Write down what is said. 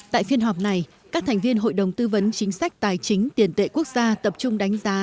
tại phiên họp này các thành viên hội đồng tư vấn chính sách tài chính tiền tệ quốc gia tập trung đánh giá